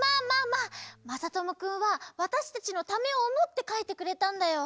まさともくんはわたしたちのためをおもってかいてくれたんだよ。